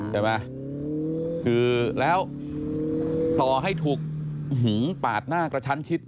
ใช่ไหมคือแล้วต่อให้ถูกหือปาดหน้ากระชั้นชิด